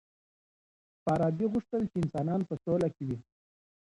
فارابي غوښتل چی انسانان په سوله کي وي.